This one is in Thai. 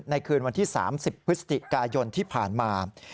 คืนวันที่๓๐พฤศจิกายนที่ผ่านมา